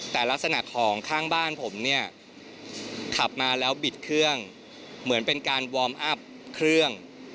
แต่ลักษณะของข้างบ้านผมเนี่ยขับมาแล้วบิดเครื่องเหมือนเป็นการวอร์มอัพเครื่อง